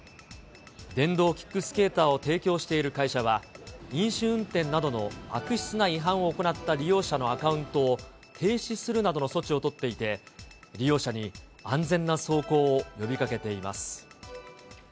電動キックスケーターを提供している会社は、飲酒運転などの悪質な違反を行った利用者のアカウントを停止するなどの措置を取っていて、利用者に安全な走行を呼びかけています。